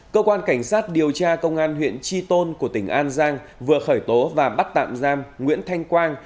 cơ quan cảnh sát điều tra công an huyện tri tôn của tỉnh an giang vừa khởi tố và bắt tạm giam nguyễn thanh quang